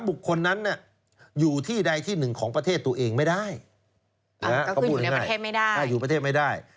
๓บุคคลนั้นอยู่ที่ใดที่๑ของประเทศตัวเองไม่ได้ก็คืออยู่ในประเทศไม่ได้